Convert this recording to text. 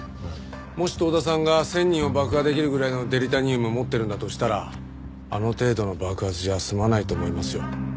もし遠田さんが１０００人を爆破できるぐらいのデリタニウム持ってるんだとしたらあの程度の爆発じゃ済まないと思いますよ。